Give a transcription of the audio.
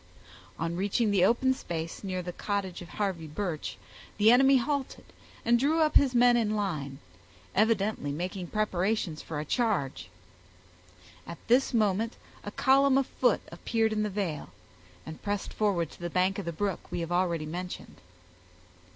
On reaching the open space near the cottage of Harvey Birch, the enemy halted and drew up his men in line, evidently making preparations for a charge. At this moment a column of foot appeared in the vale, and pressed forward to the bank of the brook we have already mentioned.